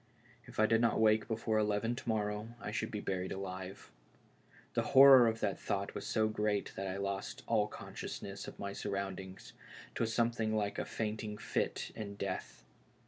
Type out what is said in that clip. If I did not wake before eleven to morrow I should be buried alive. The horror of that thought was so great that I lost all conscious ness of my surroundings — 'twas something like a faint ing fit in death.